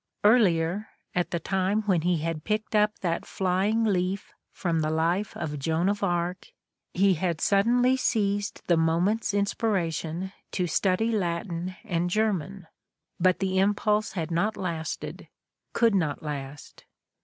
Earlier, at the time when he had picked up that flying leaf from the life of Joan of Arc, he had suddenly seized the moment's inspiration to study Latin and German; but the impulse had not lasted, could not last.